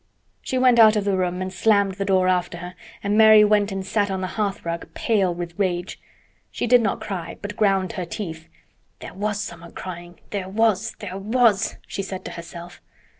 She went out of the room and slammed the door after her, and Mary went and sat on the hearth rug, pale with rage. She did not cry, but ground her teeth. "There was someone crying—there was—there was!" she said to herself.